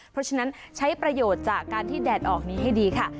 เพราะฉะนั้นใช้ประโยชน์จากการที่แดดออกนี้ให้ดีค่ะ